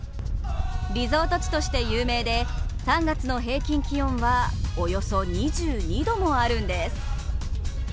リゾート地として有名で３月の平均気温はおよそ２２度もあるんです。